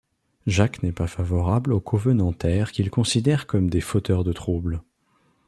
Jacques n'est pas favorable aux covenantaires qu'il considère comme des fauteurs de troubles.